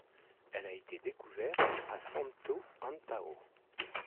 Elle a été découverte à Santo Antao.